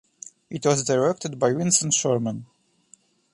It was directed by Vincent Sherman.